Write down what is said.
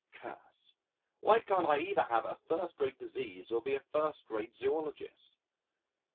Curse.... Why can't I either have a first rate disease or be a first rate zoologist?